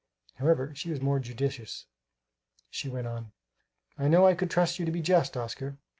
However, she was more judicious. She went on: "I knew I could trust you to be just, Oscar.